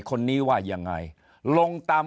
คนนี้ว่ายังไงลงตาม